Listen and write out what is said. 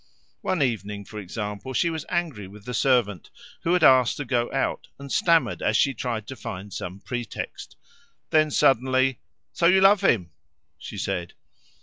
One evening, for example, she was angry with the servant, who had asked to go out, and stammered as she tried to find some pretext. Then suddenly "So you love him?" she said.